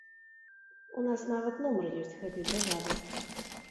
У нас нават нумар ёсць гэтай брыгады.